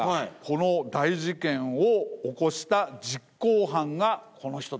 この大事件を起こした実行犯がこの人たち。